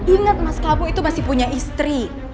ingat mas kamu itu masih punya istri